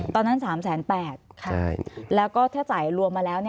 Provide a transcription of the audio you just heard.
ตอนนั้น๓๘๐๐บาทแล้วก็ถ้าจ่ายรวมมาแล้ว